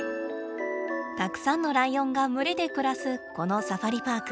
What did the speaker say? たくさんのライオンが群れで暮らすこのサファリパーク。